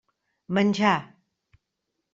Menjar.